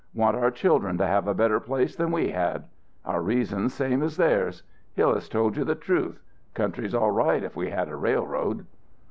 Want our children to have a better chance than we had. Our reason's same as theirs. Hillas told you the truth. Country's all right if we had a railroad."